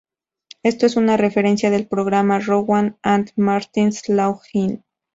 Esto es una referencia del programa "Rowan and Martin's Laugh-In".